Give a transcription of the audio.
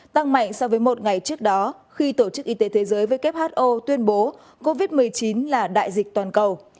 tăng mạnh so với một ngày trước đó khi tổ chức y tế thế giới who tuyên bố covid một mươi chín là đại dịch toàn cầu